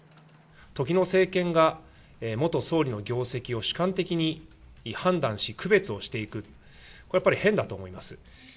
時の政権が元総理の業績を主観的に判断し、区別をしていく、これやっぱり変だと思います。